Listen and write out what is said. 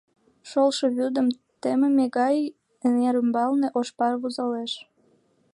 шолшо вӱдым темыме гай эҥер ӱмбалне ош пар вузалеш.